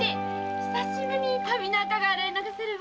久しぶりに旅の垢が洗い流せるわ。